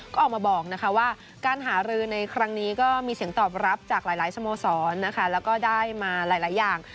ก็ออกมาบอกว่าการหารือในครั้งนี้ก็มีเสียงตอบรับจากหลายสโมสรนะคะแล้วก็ได้มาหลายอย่าง